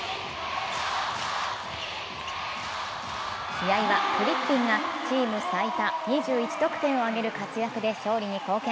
試合はフリッピンがチーム最多２１得点を挙げる活躍で勝利に貢献。